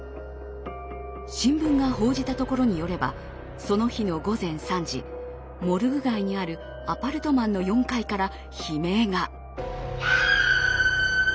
新聞が報じたところによればその日の午前３時モルグ街にあるアパルトマンの４階から悲鳴が。